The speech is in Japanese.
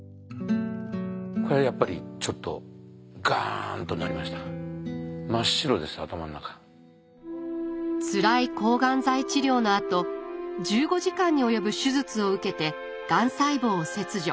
これはやっぱりちょっとつらい抗がん剤治療のあと１５時間に及ぶ手術を受けてがん細胞を切除。